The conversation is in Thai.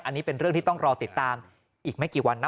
อันนี้เป็นเรื่องที่ต้องรอติดตามอีกไม่กี่วันนะ